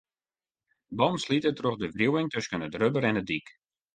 Bannen slite troch de wriuwing tusken it rubber en de dyk.